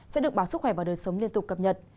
sẽ được báo sức khỏe và đời sống liên tục cập nhật